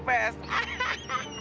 marah jeleknya udah sugar dia